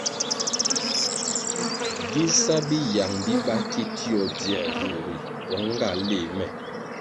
Gi sa biyang biba ki tio dzier vur ri pong nga léh me.